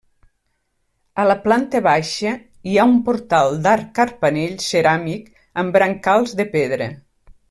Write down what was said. A la planta baixa hi ha un portal d'arc carpanell ceràmic amb brancals de pedra.